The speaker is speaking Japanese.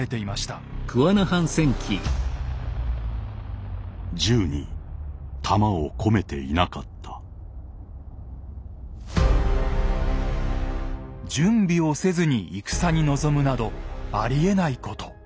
準備をせずに戦に臨むなどありえないこと。